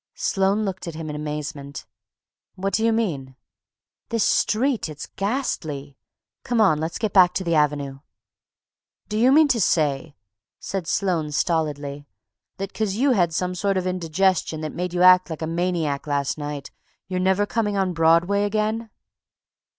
Sloane looked at him in amazement. "What do you mean?" "This street, it's ghastly! Come on! let's get back to the Avenue!" "Do you mean to say," said Sloane stolidly, "that 'cause you had some sort of indigestion that made you act like a maniac last night, you're never coming on Broadway again?"